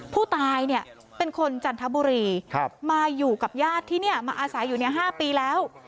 ผู้ตายเนี่ยเป็นคนจันทบุรีมาอยู่กับญาติที่นี่มาอาศัยอยู่๕ปีแล้ว